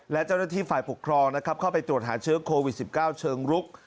และเจ้าหน้าที่ฝ่ายปกครองนะครับเข้าไปตรวจหาเชื้อโควิด๑๙เชิงรุก